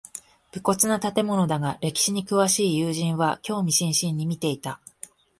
無骨な建物だが歴史に詳しい友人は興味津々に見ていた